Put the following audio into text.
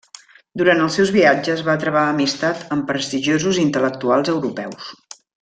Durant els seus viatges va travar amistat amb prestigiosos intel·lectuals europeus.